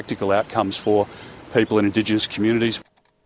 kita ingin hasil praktik untuk orang orang di komunitas indah